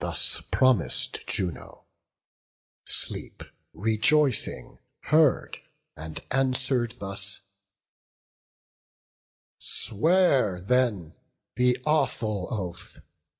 Thus promis'd Juno; Sleep, rejoicing, heard, And answer'd thus: "Swear then the awful oath.